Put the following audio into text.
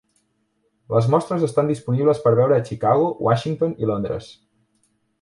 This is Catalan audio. Les mostres estan disponibles per veure a Chicago, Washington i Londres.